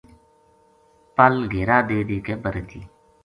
پل گھیرا دے دے کے برے تھی۔